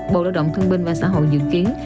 bộ lao động thương binh và xã hội dự kiến